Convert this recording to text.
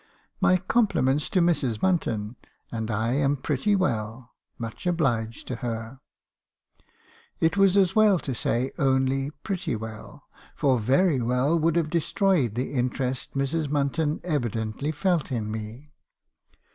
" 'My compliments to Mrs. Munton, and I am pretty well: much obliged to her.' It was as well to say only 'pretty well,' for 'very well' would have destroyed the interest Mrs. Munton evidently felt in me.